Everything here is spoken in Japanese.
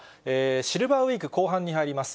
シルバーウイーク後半に入ります。